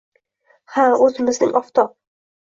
Ha, o‘zimizning oftob.